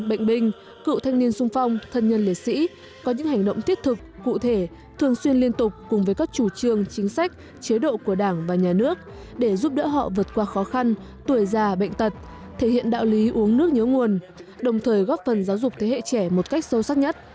bệnh binh cựu thanh niên sung phong thân nhân liệt sĩ có những hành động thiết thực cụ thể thường xuyên liên tục cùng với các chủ trương chính sách chế độ của đảng và nhà nước để giúp đỡ họ vượt qua khó khăn tuổi già bệnh tật thể hiện đạo lý uống nước nhớ nguồn đồng thời góp phần giáo dục thế hệ trẻ một cách sâu sắc nhất